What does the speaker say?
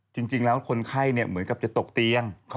จริงแล้วคนไข้เหมือนกับจะตกเตียง